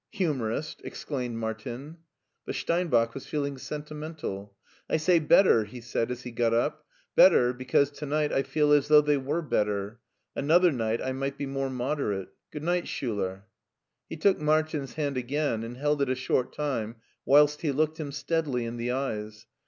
" Humorist !" exclaimed Martin. But Steinbach was feeling sentimental. *' I say bet ter," he said as he got up —" better, because to night I feel as though they were better. Another night I might be more moderate. Good night, Schiiler." He took Martin's hand again and held it a short time whilst he looked him steadily in the eyes.